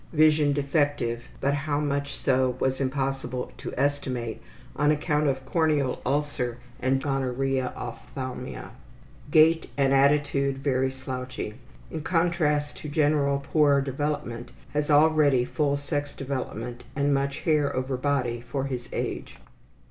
Vision defective, but how much so was impossible to estimate on account of corneal ulcer and general gonorrheal ophthalmia. Gait and attitude very slouchy. In contrast to general poor development, has already full sex development and much hair over body for his age.